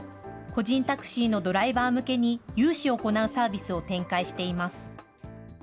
個人タクシーのドライバー向けに、融資を行うサービスを展開しています。